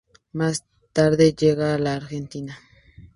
Más tarde llegaría a la Argentina.